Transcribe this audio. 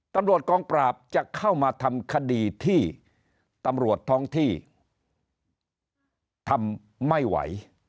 ตำรวจกองปราบจะเข้ามาทำคดีที่ตำรวจท้องที่ทำไม่ไหว